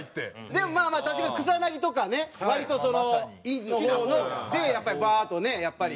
でもまあまあ確かに草薙とかね割と陰気な方の。でバーッとねやっぱり。